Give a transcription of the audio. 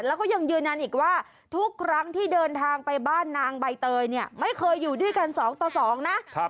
แล้วก็ยังยืนยันอีกว่าทุกครั้งที่เดินทางไปบ้านนางใบเตยเนี่ยไม่เคยอยู่ด้วยกัน๒ต่อ๒นะ